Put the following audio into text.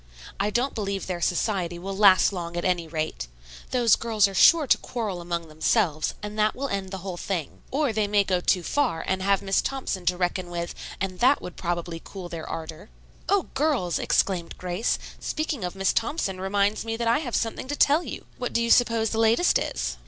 I don't believe their society will last long, at any rate. Those girls are sure to quarrel among themselves, and that will end the whole thing. Or they may go too far and have Miss Thompson to reckon with, and that would probably cool their ardor." "O girls!" exclaimed Grace. "Speaking of Miss Thompson, reminds me that I have something to tell you. What do you suppose the latest is?"